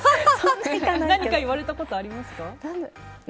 何か言われたことありますか？